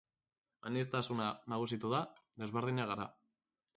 Aniztasuna nagusitu da, desberdinak gara.